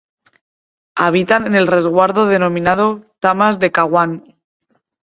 Habitan en el resguardo denominado Tamas del Caguán.